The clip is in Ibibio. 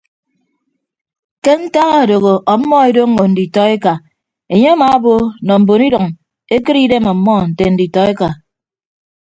Ke ntak adooho ọmmọ edoñño nditọ eka enye amaabo nọ mbon idʌñ ekịt idem ọmmọ nte nditọeka.